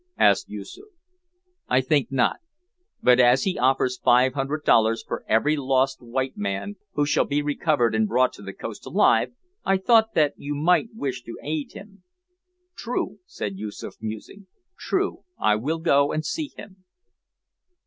asked Yoosoof. "I think not; but as he offers five hundred dollars for every lost white man who shall be recovered and brought to the coast alive, I thought that you might wish to aid him!" "True," said Yoosoof, musing, "true, I will go and see him."